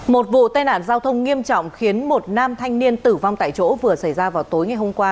một vụ tai nạn giao thông nghiêm trọng khiến một nam thanh niên tử vong tại chỗ vừa xảy ra vào tối ngày hôm qua